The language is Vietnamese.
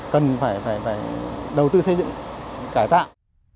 cần phải đầu tư xây dựng cải tạo